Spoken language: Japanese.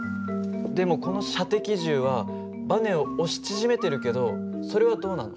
でもこの射的銃はバネを押し縮めてるけどそれはどうなの？